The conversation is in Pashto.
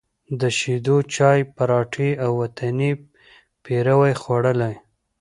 د شېدو چای، پراټې او وطني پېروی خوړلی،